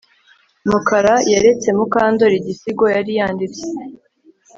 Mukara yeretse Mukandoli igisigo yari yanditse